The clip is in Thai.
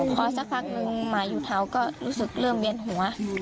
พอสักครั้งหนึ่งมาอยู่เท้าก็รู้สึกเริ่มเวียนหัว